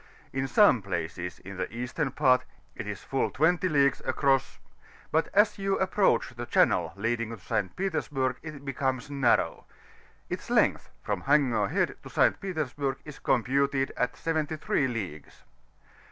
In some places, in the eastern part, it is full 20 leagues across, but as you approach the channel leading to St. Petersburg, it becomes narrow; its length, from Hango Head to St. Petersburg, is computed at 73 leagues.